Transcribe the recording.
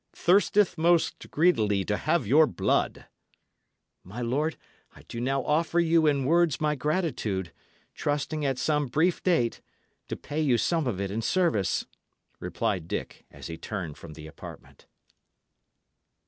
thirsteth most greedily to have your blood." "My lord, I do now offer you in words my gratitude, trusting at some brief date to pay you some of it in service," replied Dick, as he turned from the apartment.